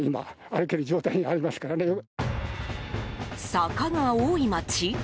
坂が多い街？